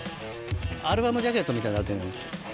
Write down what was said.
アルバムジャケットみたいになってる。